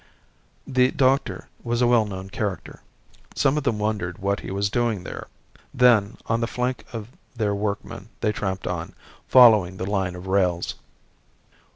The doctor was a well known character. Some of them wondered what he was doing there. Then, on the flank of their workmen they tramped on, following the line of rails.